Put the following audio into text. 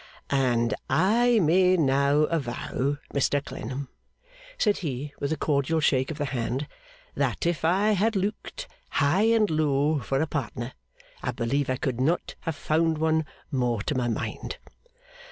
'And I may now avow, Mr Clennam,' said he, with a cordial shake of the hand, 'that if I had looked high and low for a partner, I believe I could not have found one more to my mind.